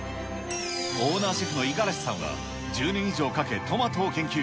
オーナーシェフの五十嵐さんは、１０年以上かけトマトを研究。